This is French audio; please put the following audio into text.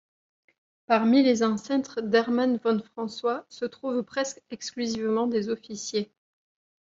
Parmi les ancêtres d'Hermann von François se trouvent presque exclusivement des officiers.